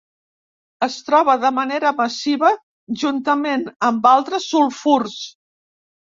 Es troba de manera massiva juntament amb altres sulfurs.